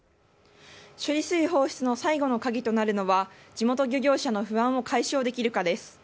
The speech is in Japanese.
処理水放出の最後の鍵となるのは、地元漁業者の不安を解消できるかです。